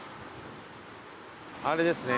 あれですね。